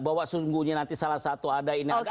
bahwa sungguhnya nanti salah satu ada ini ada